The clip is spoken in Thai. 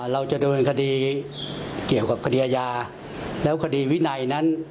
เราจะโดนคดีเกี่ยวกับคดีอาญาแล้วคดีวินัยนั้น